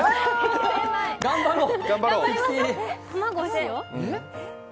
頑張ろう。